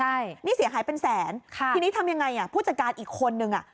ใช่นี่เสียหายเป็นแสนค่ะทีนี้ทำยังไงอ่ะผู้จัดการอีกคนนึงอ่ะ